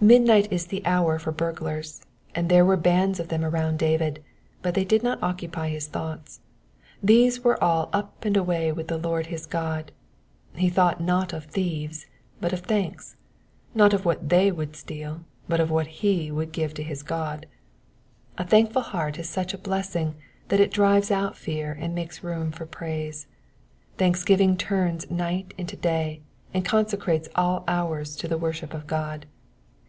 Midnight is the hour for burglars, and there were bands of them around David, but they did not occupy his thoughts ; these were all up and away with the Lord his God. He thought not of thieves, but of thanks ; not of what they would steal, but of what hs would give to his God. A thankful heart is such a blessing that it drives out fear and makes room for praise. Thanksgiving turns night into day, and con secrates all hours to the worship of God.